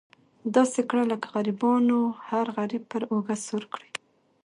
داسې کړه له غریبانو هر غریب پر اوږه سور کړي.